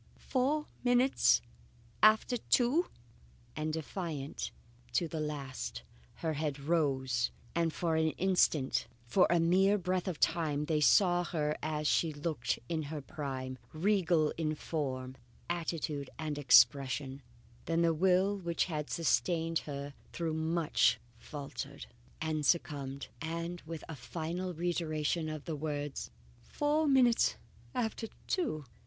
"Four minutes after two!" And defiant to the last, her head rose, and for an instant, for a mere breath of time, they saw her as she had looked in her prime, regal in form, attitude, and expression; then the will which had sustained her through so much, faltered and succumbed, and with a final reiteration of the words "Four minutes after two!"